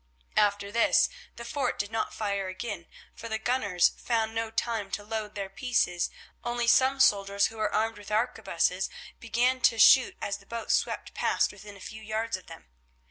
After this the fort did not fire again, for the gunners found no time to load their pieces, only some soldiers who were armed with arquebuses began to shoot as the boat swept past within a few yards of them.